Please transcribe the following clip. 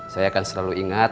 saya akan selalu ingat